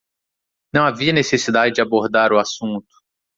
Não havia necessidade de abordar o assunto.